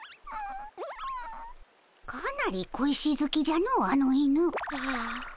かなり小石好きじゃのあの犬。